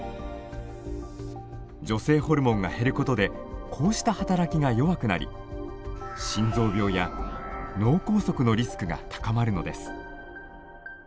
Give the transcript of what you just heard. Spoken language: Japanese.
女性ホルモンが減ることでこうした働きが弱くなり心臓病や脳梗塞のリスクが高まるのです。